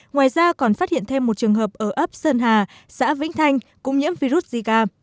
ngoài ra còn phát hiện thêm một trường hợp ở ấp sơn hà xã vĩnh thanh cũng nhiễm virus zika